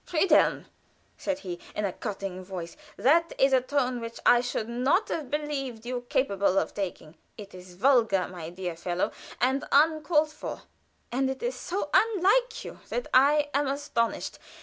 "Friedhelm," said he, in a cutting voice, "that is a tone which I should not have believed you capable of taking. It is vulgar, my dear fellow, and uncalled for; and it is so unlike you that I am astonished.